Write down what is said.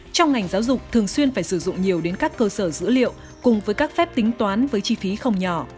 trong ngành giáo dục thường xuyên phải sử dụng nhiều đến các cơ sở dữ liệu cùng với các phép tính toán với chi phí không nhỏ